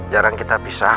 jarang kita pisah